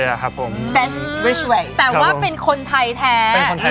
แต่ว่าเป็นคนไทยแท้